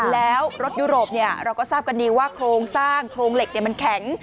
แล้วรถยุโรปเราก็ทราบกันดีว่าโครงสร้างโครงเหล็กมันแข็ง